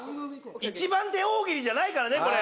一番手大喜利じゃないからね。